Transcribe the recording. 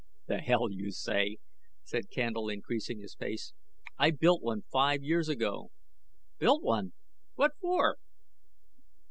"The hell you say," said Candle, increasing his pace, "I built one five years ago." "Built one! What for?"